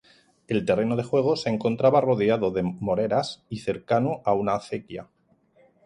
El terreno de juego se encontraba rodeado de moreras y cercano a una acequia.